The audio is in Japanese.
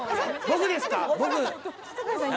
僕ですか？